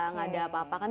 nggak ada apa apa kan